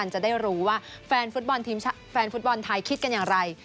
จะได้รู้ว่าแฟนฟุตบอลไทยคิดกันอย่างไร